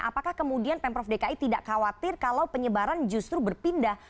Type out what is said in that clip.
apakah kemudian pemprov dki tidak khawatir kalau penyebaran justru berpindah